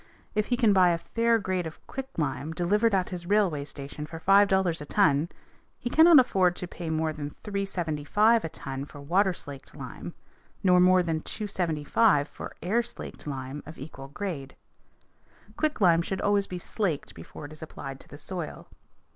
If he can buy a fair grade of quicklime delivered at his railway station for $5.00 a ton, he cannot afford to pay more than $3.75 a ton for water slaked lime, nor more than $2.75 for air slaked lime of equal grade. Quicklime should always be slaked before it is applied to the soil.